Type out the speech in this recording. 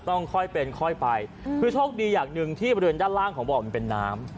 ต้องค่อยเป็นค่อยไปคือโชคดีอย่างหนึ่งที่บริเวณด้านล่างของบ่อมันเป็นน้ำ